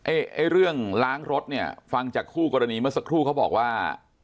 ไอ้เรื่องล้างรถเนี่ยฟังจากคู่กรณีเมื่อสักครู่เขาบอกว่า